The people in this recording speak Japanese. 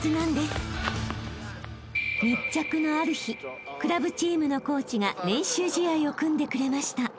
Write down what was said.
［密着のある日クラブチームのコーチが練習試合を組んでくれました］